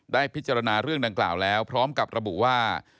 ได้พิจารณาเรื่องดังกล่าวแล้วพร้อมกับระบุว่า